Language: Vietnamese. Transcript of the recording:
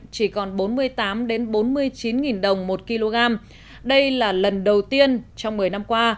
chỉ còn bốn mươi tám bốn mươi chín đồng một kg đây là lần đầu tiên trong một mươi năm qua